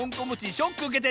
ショックうけてんの？